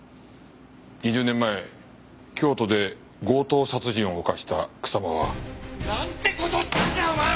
２０年前京都で強盗殺人を犯した草間は。なんて事したんだお前は！